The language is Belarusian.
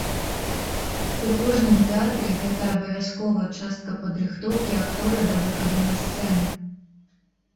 У кожным тэатры гэта абавязковая частка падрыхтоўкі актора да выхаду на сцэну.